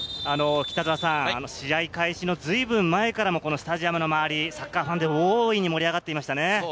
試合開始のずいぶん前からスタジアムの周り、サッカーファンで大いに盛り上がっていましたね。